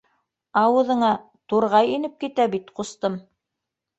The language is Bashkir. Ауыҙыңа... турғай инеп китә бит, ҡустым!